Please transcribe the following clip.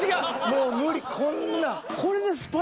もう無理こんなん。